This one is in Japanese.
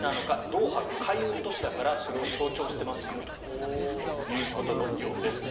ドーハが海運都市だからそれを象徴していますよということのようです。